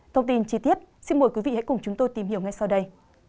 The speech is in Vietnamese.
thông tin chi tiết xin mời quý vị hãy cùng chúng tôi tìm hiểu ngay sau đây